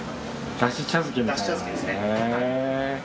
だし茶漬けですね。